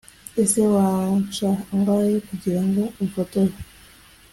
ese wansha angahe kugirango umfotore